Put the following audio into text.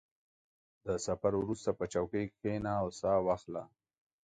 • د سفر وروسته، په چوکۍ کښېنه او سا واخله.